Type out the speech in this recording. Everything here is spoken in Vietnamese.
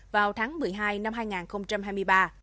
vào tháng một mươi hai năm hai nghìn hai mươi ba